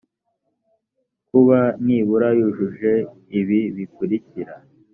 kuba nibura yujuje ibi bikurikira